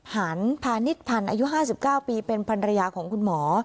หันพาณิชพันธ์อายุ๕๙ปีเป็นภรรยาของคุณหมอ